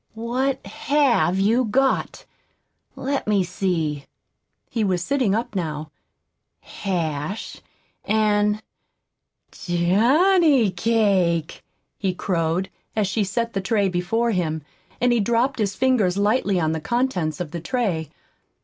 "What HAVE you got? Let me see." He was sitting up now. "Hash and johnny cake!" he crowed, as she set the tray before him, and he dropped his fingers lightly on the contents of the tray.